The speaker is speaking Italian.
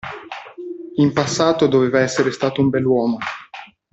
In passato doveva essere stato un bell'uomo.